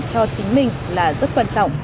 cho chính mình là rất quan trọng